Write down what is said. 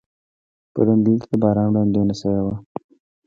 پرون دلته د باران وړاندوینه شوې وه.